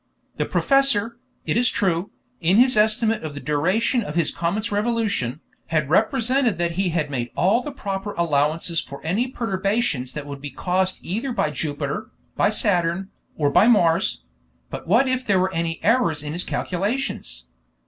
The professor, it is true, in his estimate of the duration of his comet's revolution, had represented that he had made all proper allowances for any perturbations that would be caused either by Jupiter, by Saturn, or by Mars; but what if there were any errors in his calculations?